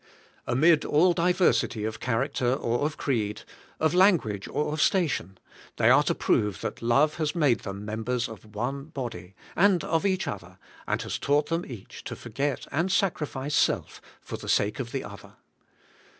Amid all diversity of character or of creed, of language or of station, they are to prove that love has made them members of one body, and of each other, and has taught them each to forget and sacrifice self for the sake of the other.